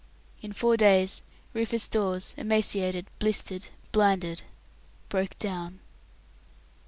In four days Rufus Dawes, emaciated, blistered, blinded, broke down.